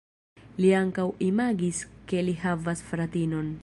Li ankaŭ imagis ke li havas fratinon.